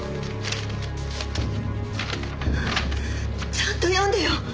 ちゃんと読んでよ。